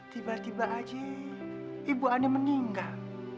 tiba tiba aja ibu ani meninggal